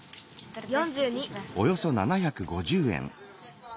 ４２。